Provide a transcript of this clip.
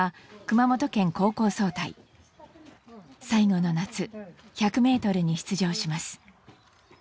最後の夏１００メートルに出場します。